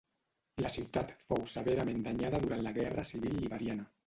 La ciutat fou severament danyada durant la guerra civil liberiana.